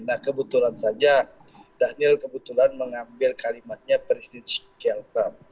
nah kebetulan saja daniel kebetulan mengambil kalimatnya presiden skelpem